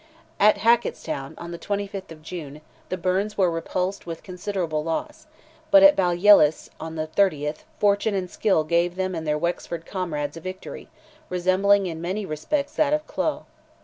At Hacketstown, on the 25th of June, the Byrnes were repulsed with considerable loss, but at Ballyellis, on the 30th, fortune and skill gave them and their Wexford comrades a victory, resembling in many respects that of Clough.